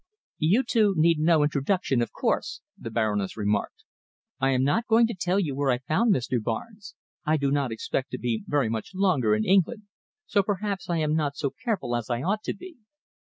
"You two need no introduction, of course," the Baroness remarked. "I am not going to tell you where I found Mr. Barnes. I do not expect to be very much longer in England, so perhaps I am not so careful as I ought to be.